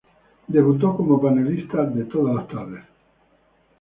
Debutó como panelista de Todas las tardes.